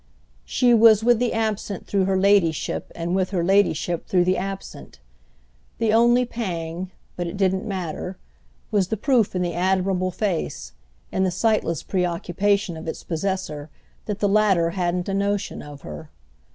She was with the absent through her ladyship and with her ladyship through the absent. The only pang—but it didn't matter—was the proof in the admirable face, in the sightless preoccupation of its possessor, that the latter hadn't a notion of her.